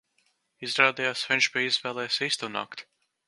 Izrādījās, viņš bija izvēlējies īsto nakti.